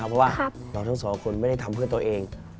เพราะว่าเราทั้งสองคนไม่ได้ทำเพื่อตัวเอง